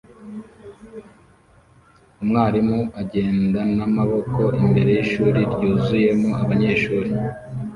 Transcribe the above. Umwarimu agenda n'amaboko imbere y'ishuri ryuzuyemo abanyeshuri